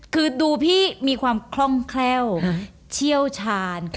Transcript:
คือดูพี่มีความคล่องแคล่วเชี่ยวชาญ